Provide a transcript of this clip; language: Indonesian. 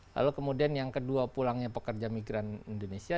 lalu kemudian yang kedua pulangnya pekerja migran indonesia